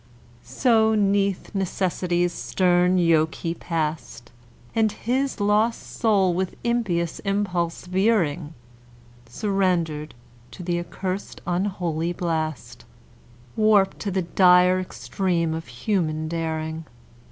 So, 'neath Necessity's stern yoke he passed, And his lost soul, with impious impulse veering, Surrendered to the accursed unholy blast, Warped to the dire extreme of human daring.